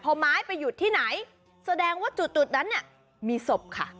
พอไม้ไปหยุดที่ไหนแสดงว่าจุดนั้นเนี่ยมีศพค่ะ